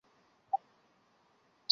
二裂果蝇是果蝇科的一个物种。